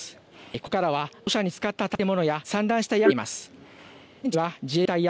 ここからは土砂につかった建物や散乱した建物が見えます。